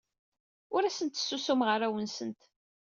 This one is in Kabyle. Ur asent-ssusumeɣ arraw-nsent.